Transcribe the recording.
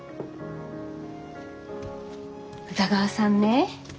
宇田川さんね